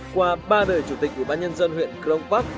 qua ba đời chủ tịch ủy ban nhân dân huyện crong park